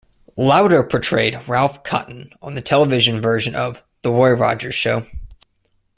Lauter portrayed Ralph Cotton on the television version of "The Roy Rogers Show".